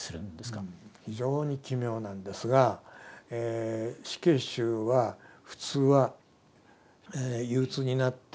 非常に奇妙なんですが死刑囚は普通は憂鬱になって死を恐れてというふうに